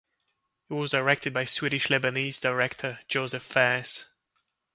It was directed by Swedish-Lebanese director Josef Fares.